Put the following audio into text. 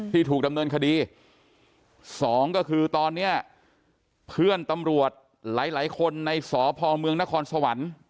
ที่ถูกดำเนินคดีสองก็คือตอนนี้เพื่อนตำรวจหลายหลายคนในสพเมืองนครสวรรค์